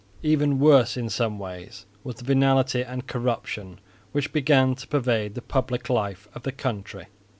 Even worse in some ways was the venality and corruption which began to pervade the public life of the country.